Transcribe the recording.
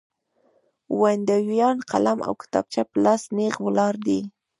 ویاندویان قلم او کتابچه په لاس نېغ ولاړ دي.